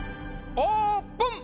オープン！